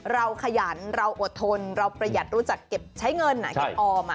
ขยันเราอดทนเราประหยัดรู้จักเก็บใช้เงินเก็บออม